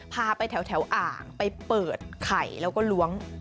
พาไปแถวอ่างไปเปิดไข่แล้วก็ล้วง